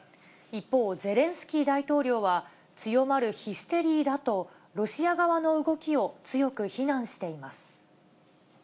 一方、ゼレンスキー大統領は、強まるヒステリーだと、ロシア側の動きを強く非難しています。